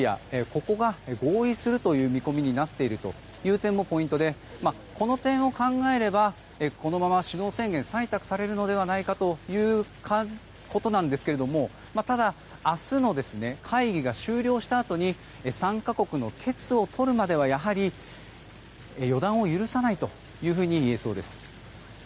ここが、合意するという見込みになっているという点もポイントでこの点を考えれば、このまま首脳宣言が採択されるのではということなんですがただ、明日の会議が終了したあとに参加国の決を採るまではやはり予断を許さないといえそうです。